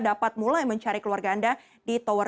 dapat mulai mencari keluarga anda di tower